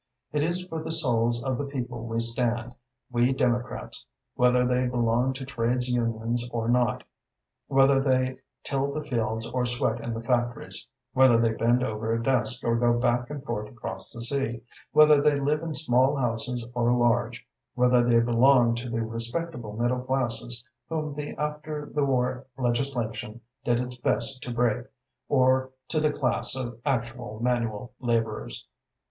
It is for the souls of the people we stand, we Democrats, whether they belong to trades unions or not, whether they till the fields or sweat in the factories, whether they bend over a desk or go back and forth across the sea, whether they live in small houses or large, whether they belong to the respectable middle classes whom the after the war legislation did its best to break, or to the class of actual manual laborers."